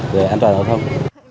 để an toàn giao thông